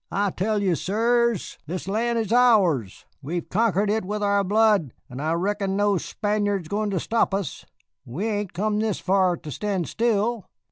"I tell you, sirs, this land is ours. We have conquered it with our blood, and I reckon no Spaniard is goin' to stop us. We ain't come this far to stand still.